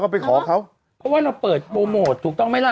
เพราะว่าเราเปิดจบมัวทุกต้องไหมล่ะ